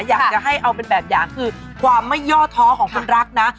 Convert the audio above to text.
อยากจะให้เอาเป็นแบบอย่างคือความไม่ย่อท้อของคนรักนะ